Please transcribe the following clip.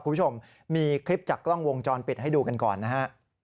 คุณผู้ชมมีคลิปจากกล้องวงจรปิดให้ดูกันก่อนนะฮะ